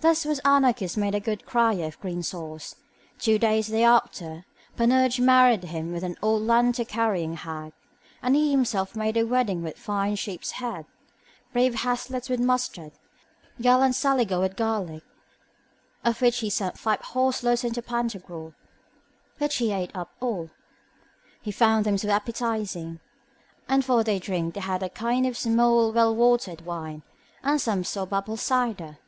Thus was Anarchus made a good crier of green sauce. Two days thereafter Panurge married him with an old lantern carrying hag, and he himself made the wedding with fine sheep's heads, brave haslets with mustard, gallant salligots with garlic, of which he sent five horseloads unto Pantagruel, which he ate up all, he found them so appetizing. And for their drink they had a kind of small well watered wine, and some sorbapple cider.